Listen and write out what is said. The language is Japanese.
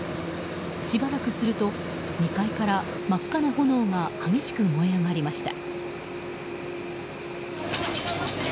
しばらくすると２階から真っ赤な炎が激しく燃え上がりました。